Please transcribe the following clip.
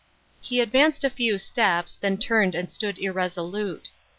He advanced a few steps, then turned and stood irresolute.